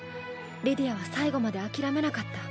リディアは最後まで諦めなかった。